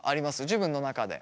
自分の中で。